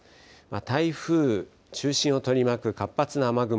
台風中心を取り巻く活発な雨雲